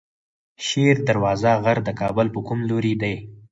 شیر دروازه غر د کابل په کوم لوري دی؟